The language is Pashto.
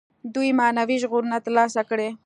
دوی معنوي ژغورنه تر لاسه کړي.